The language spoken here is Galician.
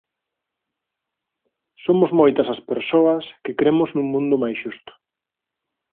Somos moitas as persoas que cremos nun mundo máis xusto.